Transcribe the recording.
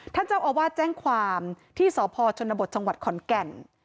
ท่านเจ้าอาวาสแจ้งความที่สพชนบทจังหวัดขอนแก่น